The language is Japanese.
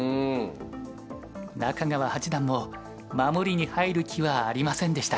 中川八段も守りに入る気はありませんでした。